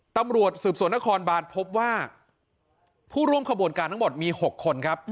ตำรวจสืบสวนนครบานพบว่าผู้ร่วมขบวนการทั้งหมดมี๖คนครับ